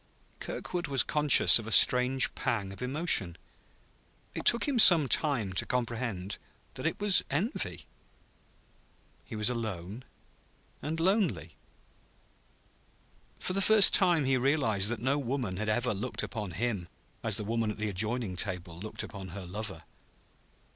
Kirkwood was conscious of a strange pang of emotion. It took him some time to comprehend that it was envy. He was alone and lonely. For the first time he realized that no woman had ever looked upon him as the woman at the adjoining table looked upon her lover.